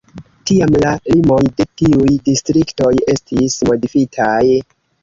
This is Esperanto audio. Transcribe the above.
Tiam la limoj de tiuj distriktoj estis modifitaj.